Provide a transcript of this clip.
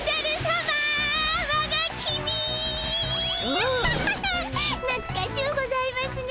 アハハハッなつかしゅうございますね